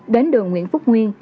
đến đường nguyễn phúc nguyên